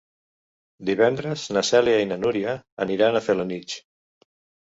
Divendres na Cèlia i na Núria aniran a Felanitx.